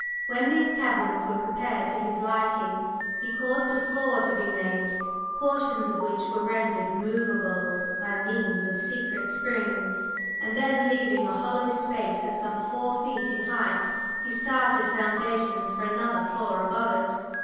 When these caverns were prepared to his liking, he caused a floor to be made, portions of which were rendered movable by means of secret springs, and then leaving a hollow space of some four feet in height, he started foundations for another floor above it.